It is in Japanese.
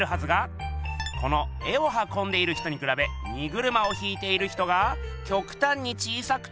この絵をはこんでいる人にくらべ荷車を引いている人がきょくたんに小さくて。